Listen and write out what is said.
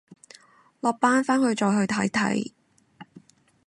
落班翻去再去睇睇